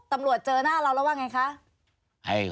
ตำรวจเจอหน้าเราแล้วว่าอย่างไรคะ